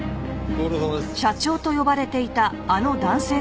ご苦労さまです。